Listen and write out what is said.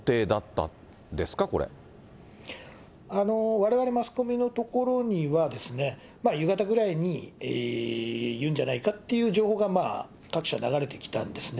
われわれマスコミのところには、夕方ぐらいに言うんじゃないかっていう情報が各社流れてきたんですね。